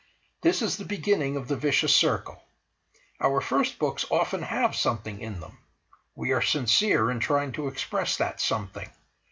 This is the beginning of the vicious circle. Our first books often have some thing in them. We are sincere in trying to express that something.